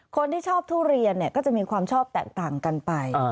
คนที่ชอบทุเรียนก็จะมีความชอบแตกต่างกันไป